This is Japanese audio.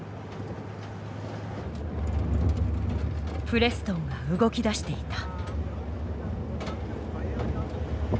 プレストンが動き出していた。